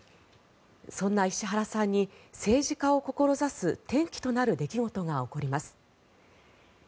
そんな石原さんに政治家を志す転機となる出来事が起こります。